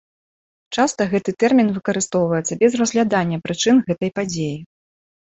Часта гэты тэрмін выкарыстоўваецца без разглядання прычын гэтай падзеі.